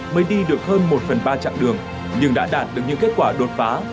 mới đi được hơn một phần ba chặng đường nhưng đã đạt được những kết quả đột phá